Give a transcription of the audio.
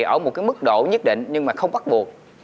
ở một cái mức độ nhất định nhưng mà không bắt buộc